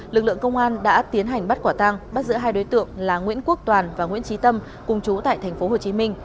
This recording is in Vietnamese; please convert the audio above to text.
lực lượng công an đã tiến hành bắt quả tăng bắt giữ hai đối tượng là nguyễn quốc toàn và nguyễn trí tâm cùng chú tại tp hcm